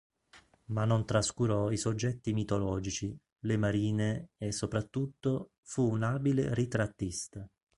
Ma non trascurò i soggetti mitologici, le marine e, soprattutto, fu un abile ritrattista.